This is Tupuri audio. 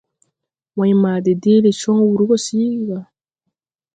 Wãy ma de deele cɔŋ wǔr gɔ síigi gà.